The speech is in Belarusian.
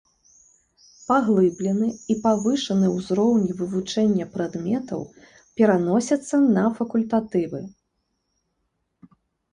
Паглыблены і павышаны ўзроўні вывучэння прадметаў пераносяцца на факультатывы.